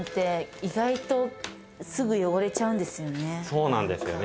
そうなんですよね。